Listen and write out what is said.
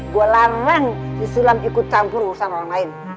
gua larang si sulam ikut campur urusan orang lain